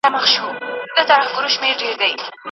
لمزه د خولې په واسطه مسخره کول دي.